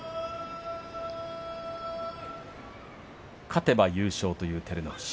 勝てば優勝という照ノ富士。